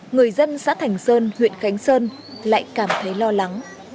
người dân xã thành sơn huyện khánh sơn lại cảm thấy lo lắng